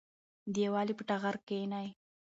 د یووالي په ټغر کېنئ.